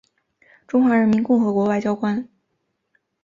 中华人民共和国外交官。